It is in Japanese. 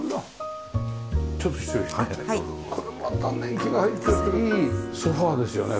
これまた年季が入ってていいソファですよね